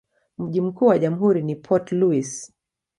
Mji mkuu wa jamhuri ni Port Louis.